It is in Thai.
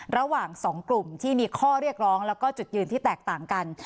ระหว่างสองกลุ่มที่มีข้อเรียกร้องแล้วก็จุดยืนที่แตกต่างกัน